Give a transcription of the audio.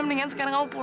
aku ingin tidur dulu